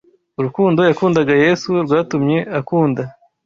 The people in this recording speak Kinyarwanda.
Urukundo yakundaga Yesu rwatumye akunda